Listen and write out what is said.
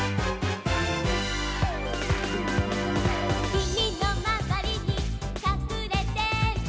「君のまわりにかくれてる」